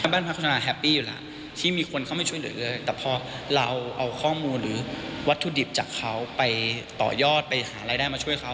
บ้านพัฒนาแฮปปี้อยู่แล้วที่มีคนเข้ามาช่วยเหลือเลยแต่พอเราเอาข้อมูลหรือวัตถุดิบจากเขาไปต่อยอดไปหารายได้มาช่วยเขา